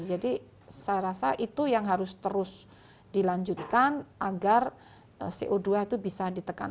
jadi saya rasa itu yang harus terus dilanjutkan agar co dua itu bisa ditekan